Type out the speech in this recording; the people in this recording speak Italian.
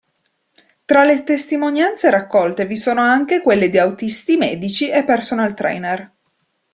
Tra le testimonianze raccolte vi sono anche quelle di autisti, medici e personal trainer.